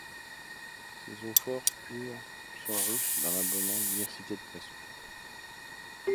Ses eaux fort pures sont riches d'une abondante diversité de poissons.